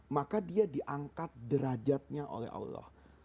maka dia diangkat derajatnya oleh allah